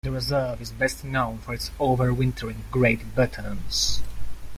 The reserve is best known for its over-wintering great bitterns.